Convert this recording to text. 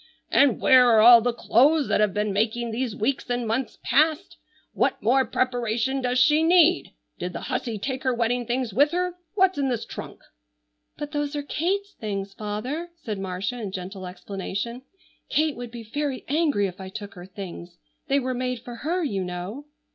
"And where are all the clothes that have been making these weeks and months past? What more preparation does she need? Did the hussy take her wedding things with her? What's in this trunk?" "But those are Kate's things, father," said Marcia in gentle explanation. "Kate would be very angry if I took her things. They were made for her, you know."